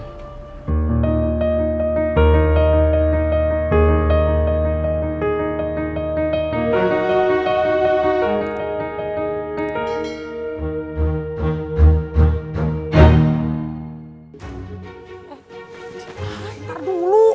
sampai jumpa di video selanjutnya